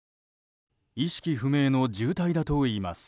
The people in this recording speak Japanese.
意識不明の重体だといいます。